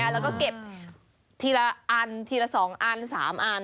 จะเก็บทีละอันทีละสองอันสามอัน